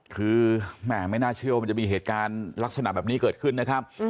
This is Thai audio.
คือแหมไม่น่าเชื่อว่ามันจะมีเหตุการณ์ลักษณะแบบนี้เกิดขึ้นนะครับ